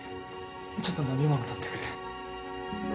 ちょっと飲み物取ってくる